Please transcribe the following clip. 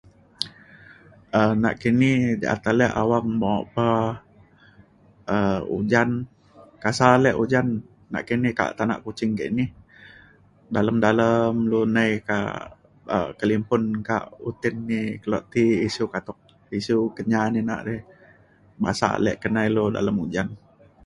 um nakini ja’at ale awang mok pa um ujan kasa ale ujan nakini kak tanak Kuching kini dalem dalem lu nai kak um kelimpun kak uten ni kelo ti pisiu katuk pisiu Kenyah ni na re basak ale ke nai ilu dalem ujan